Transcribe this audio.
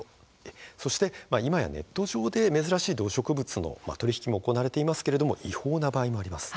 今やネット上で珍しい動植物の取り引きが行われていますが違法な場合もあります。